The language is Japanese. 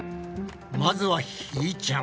まずはひーちゃん。